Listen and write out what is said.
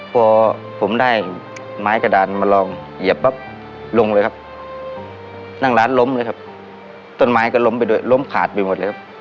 พอผมได้ไม้กระดานมาลองเหยียบปั๊บลงเลยครับนั่งร้านล้มเลยครับต้นไม้ก็ล้มไปด้วยล้มขาดไปหมดเลยครับ